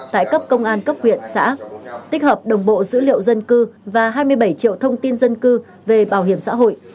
tại cấp công an cấp huyện xã tích hợp đồng bộ dữ liệu dân cư và hai mươi bảy triệu thông tin dân cư về bảo hiểm xã hội